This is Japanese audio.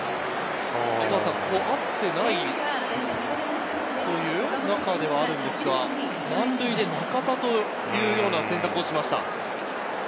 合ってないという中ではあるんですが、満塁で中田という選択をしました。